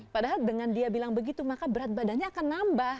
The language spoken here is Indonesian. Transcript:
padahal dengan dia bilang begitu maka berat badannya akan nambah